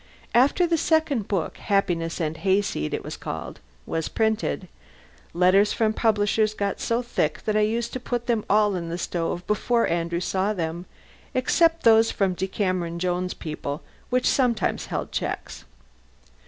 After the second book ("Happiness and Hayseed" it was called) was printed, letters from publishers got so thick that I used to put them all in the stove before Andrew saw them except those from the Decameron Jones people, which sometimes held checks.